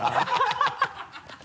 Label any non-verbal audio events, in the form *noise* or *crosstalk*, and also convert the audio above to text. ハハハ *laughs*